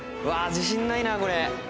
自信ないなこれ。